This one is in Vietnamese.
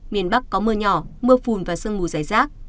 miền bắc có mưa nhỏ mưa phùn và sương mù dài rác